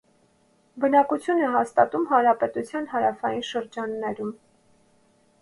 Բնակություն է հաստատում հանրապետության հարավային շրջաններում։